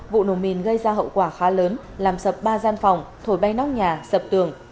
vụ nổ mìn gây ra hậu quả khá lớn làm sập ba gian phòng thổi bay nóc nhà sập tường